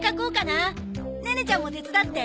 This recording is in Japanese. ネネちゃんも手伝って。